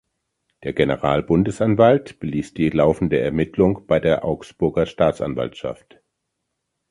Der Generalbundesanwalt beließ die laufende Ermittlung bei der Augsburger Staatsanwaltschaft.